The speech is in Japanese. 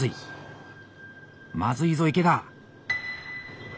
まずいぞ池田。